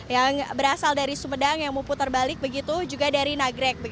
yang berasal dari sumedang yang memputar balik juga dari nagres